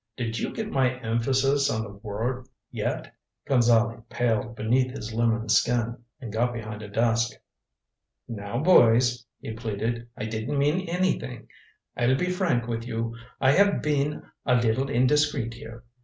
"Did you get my emphasis on the word yet?" Gonzale paled beneath his lemon skin, and got behind a desk. "Now, boys," he pleaded, "I didn't mean anything. I'll be frank with you I have been a little indiscreet here.